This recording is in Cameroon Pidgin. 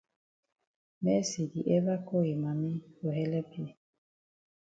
Mercy di ever call yi mami for helep yi.